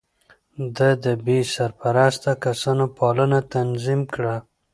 ده د بې سرپرسته کسانو پالنه تنظيم کړه.